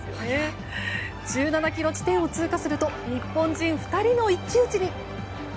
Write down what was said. １７ｋｍ地点を通過すると日本人２人の一騎打ちに。